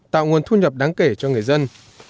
tạo nguồn thu nhập đáng kể cho người dân